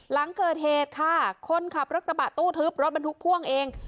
หลังเกิดเหตุค่ะคนขับรถกระบะตู้ทึบรถบรรทุกพ่วงเอง